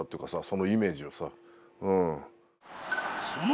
そのイメージをさうん。